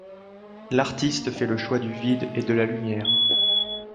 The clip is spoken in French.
L’artiste fait le choix du vide et de la lumière.